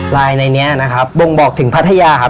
ลายในนี้นะครับบ่งบอกถึงพัทยาครับ